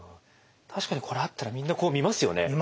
確かにこれあったらみんなこう見ますよね。